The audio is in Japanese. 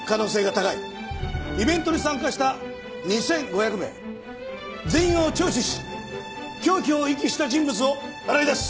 イベントに参加した２５００名全員を聴取し凶器を遺棄した人物を洗い出す。